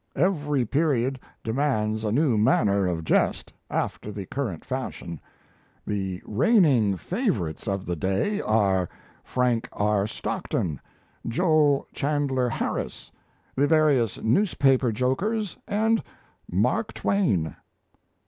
Every period demands a new manner of jest, after the current fashion .... The reigning favourites of the day are Frank R. Stockton, Joel Chandler Harris, the various newspaper jokers, and 'Mark Twain.'